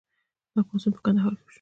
دا پاڅون په کندهار کې وشو.